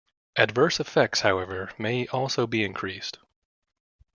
Adverse effects, however, may also be increased.